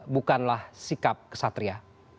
bukanlah sikap ksatria